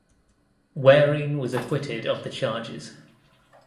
Waring was acquitted of the charges.